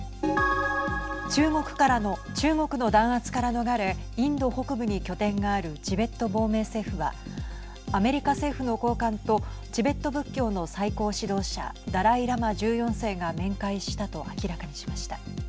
中国の弾圧から逃れインド北部に拠点があるチベット亡命政府はアメリカ政府の高官とチベット仏教の最高指導者ダライ・ラマ１４世が面会したと明らかにしました。